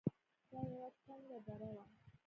دا يوه تنگه دره وه.